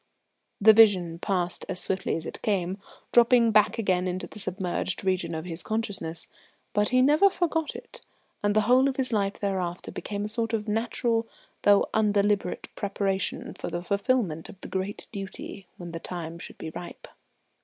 The vision passed as swiftly as it came, dropping back again into the submerged region of his consciousness; but he never forgot it, and the whole of his life thereafter became a sort of natural though undeliberate preparation for the fulfilment of the great duty when the time should be ripe.